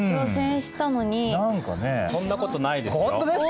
そんなことないですよ。